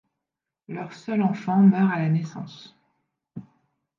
Leur seul enfant meurt à la naissance.